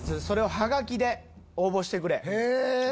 それをハガキで応募してくれ。